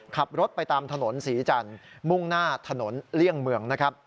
ขับรถไปตามถนนศรีจันทร์มุ่งหน้าถนนเลี่ยงเมืองนะครับ